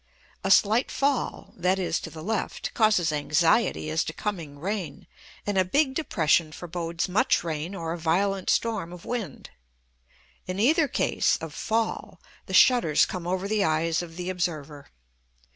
A slight fall (that is, to the left) causes anxiety as to coming rain, and a big depression forebodes much rain or a violent storm of wind. In either case of "fall," the shutters come over the eyes of the observer.